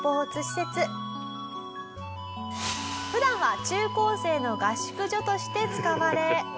普段は中高生の合宿所として使われ。